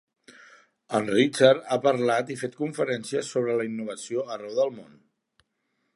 En Richard ha parlat i fet conferències sobre la innovació arreu del món.